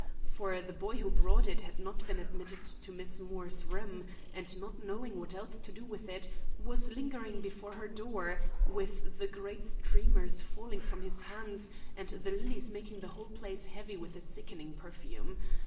For the boy who brought it had not been admitted into Miss Moore's room, and, not knowing what else to do with it, was lingering before her door, with the great streamers falling from his hands, and the lilies making the whole place heavy with a sickening perfume.